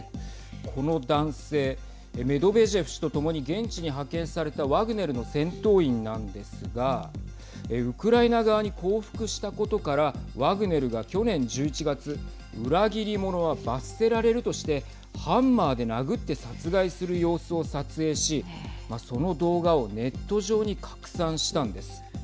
この男性メドベージェフ氏と共に現地に派遣されたワグネルの戦闘員なんですがウクライナ側に降伏したことからワグネルが去年１１月裏切り者は罰せられるとしてハンマーで殴って殺害する様子を撮影しその動画をネット上に拡散したんです。